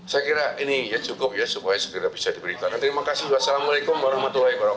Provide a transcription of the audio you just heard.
saya kira ini ya cukup ya supaya segera bisa diberitakan terima kasih wassalamualaikum warahmatullahi wabarakatuh